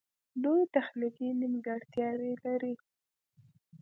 لویې تخنیکې نیمګړتیاوې لري